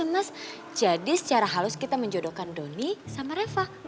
mas jadi secara halus kita menjodohkan doni sama reva